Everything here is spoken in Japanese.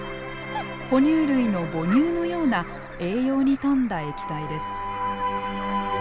哺乳類の母乳のような栄養に富んだ液体です。